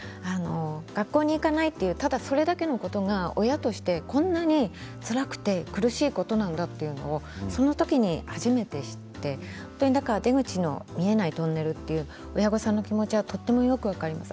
学校に行かないというただそれだけのことが親としてこんなにつらくて苦しいことなんだということをその時に初めて知って出口の見えないトンネルという親御さんの気持ちはとてもよく分かります。